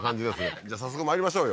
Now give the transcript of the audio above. じゃあ早速まいりましょうよ